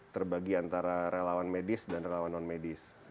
terbagi antara relawan medis dan relawan non medis